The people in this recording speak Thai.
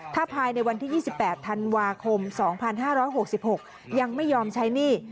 ถ้าภายในวันที่๒๘ธันวาคม๒๕๖๖ยังไม่ยอมใช้หนี้